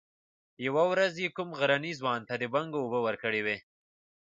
يوه ورځ يې کوم غرني ځوان ته د بنګو اوبه ورکړې وې.